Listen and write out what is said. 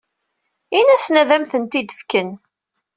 Ini-asen ad am-ten-id-fken.